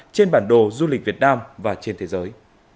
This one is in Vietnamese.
trên bản đồ du lịch việt nam và trên thế giới